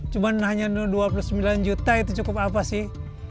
cuma hanya dua puluh sembilan juta itu cukup apa sih